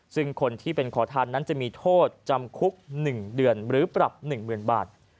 ซึ่งคนที่เป็นขอทานนั้นจะมีโทษจำคุก๑เดือนหรือปรับ๑๐๐๐บาท